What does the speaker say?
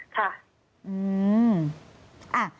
ค่ะ